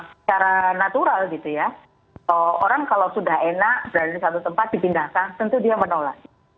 secara natural gitu ya orang kalau sudah enak berada di satu tempat dipindahkan tentu dia menolak